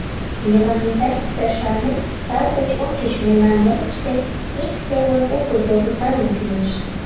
Йыван изай, тый шарнет, сар деч ончыч мемнан ялыште ик телым ургызо Русанов илыш.